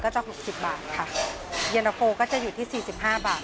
จะหกสิบบาทค่ะเย็นตะโฟก็จะอยู่ที่สี่สิบห้าบาท